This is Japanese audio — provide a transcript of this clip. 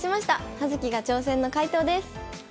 「葉月が挑戦！」の解答です。